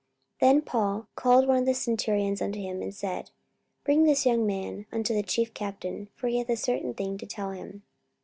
44:023:017 Then Paul called one of the centurions unto him, and said, Bring this young man unto the chief captain: for he hath a certain thing to tell him.